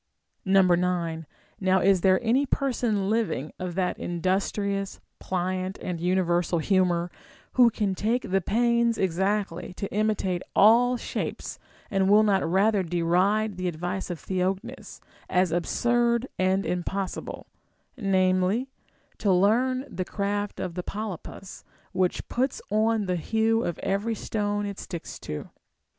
• 9. Now is there any person living of that industrious, pliant, and universal humor, who can take the pains exactly to imitate all shapes, and will not ratlier deride the advice of Theognis * as absurd and impossible, namely, to learn the craft of the polypus, which puts on the hue of every stone it sticks to